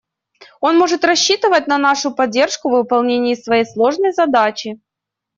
Он может рассчитывать на нашу поддержку в выполнении своей сложной задачи.